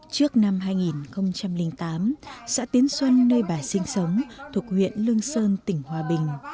trước năm hai nghìn tám xã tiến xuân nơi bà sinh sống thuộc huyện lương sơn tỉnh hòa bình